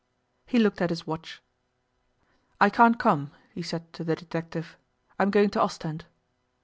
He looked at his watch. 'I can't come,' he said to the detective. I'm going to Ostend.